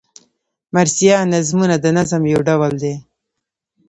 مرثیه نظمونه د نظم یو ډول دﺉ.